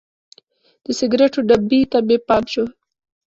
د سګریټو ډبي ته مې پام شو.